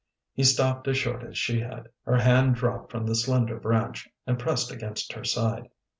He stopped as short as she had. Her hand dropped from the slender branch, and pressed against her side.